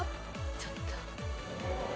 ちょっと。